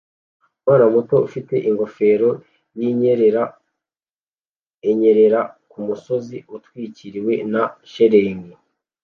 Umwana muto ufite ingofero yinyerera anyerera kumusozi utwikiriwe na shelegi